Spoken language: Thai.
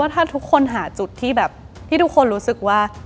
ถ้าทุกคนหาจุดที่แบบที่ทุกคนรู้สึกว่า